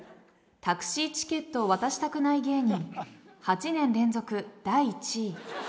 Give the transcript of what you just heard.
タクシーチケットを渡したくない芸人８年連続第１位。